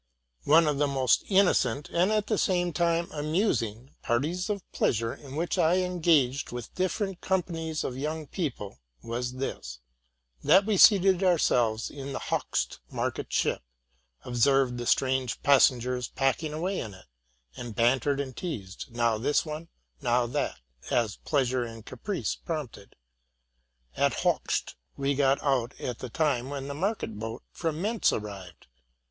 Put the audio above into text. One of the most innocent, and, at the same time, amus ing, parties of pleasure in which I engaged with different companies of young people, was this, — that we seated our selves in the Hochst market ship, observed the strange pas sengers packed away in it, and bantered and teased, now this one, now that, as pleasure or caprice prompted, At RELATING TO MY LIFE. 145 Hochst we got out at the time when the market boat from Mentz arrived.